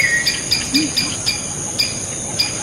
В него.